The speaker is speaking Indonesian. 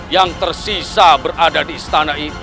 yang tersisa berada di istana